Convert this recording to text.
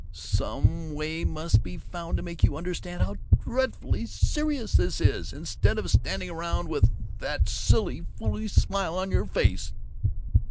_ Some way must be found to make you under_stand_ how dreadfully serious this is, instead of standing around with that silly foolish smile on your face!"